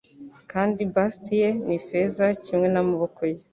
kandi bust ye ni ifeza kimwe n'amaboko ye